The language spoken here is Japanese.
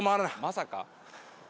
まさか。